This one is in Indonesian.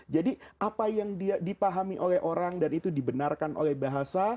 jadi apa yang dipahami oleh orang dan itu dibenarkan oleh bahasa